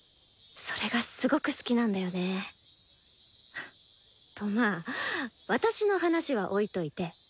それがすごく好きなんだよね。とまあ私の話は置いといて。